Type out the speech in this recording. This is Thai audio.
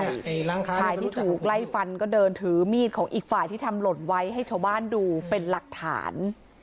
ชายที่ถูกไล่ฟันก็เดินถือมีดของอีกฝ่ายที่ทำหล่นไว้ให้ชาวบ้านดูเป็นหลักฐาน